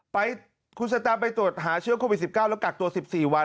ไปคุณสแตมไปตรวจหาเชื้อโควิด๑๙แล้วกักตัว๑๔วัน